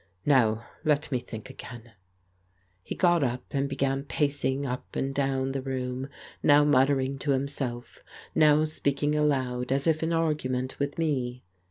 Now, let me think again !" He got up and began pacing up and down the room, now muttering to himself, now speaking aloud as if in argument with me.